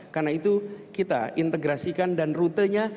karena itu kita integrasikan dan rutenya